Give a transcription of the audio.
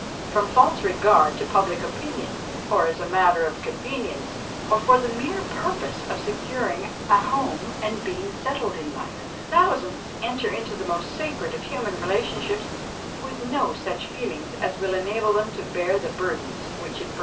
From false regard to public opinion, or as a matter of convenience, or for the mere purpose of securing a home and being settled in life, thousands enter into the most sacred of human relationships with no such feelings as will enable them to bear the burdens which it brings.